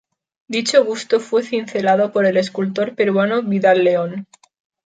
Dicho busto fue cincelado por el escultor peruano Vidal León.